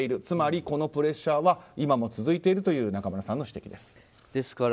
つまりこのプレッシャーは今も続いているという中村さんの指摘です。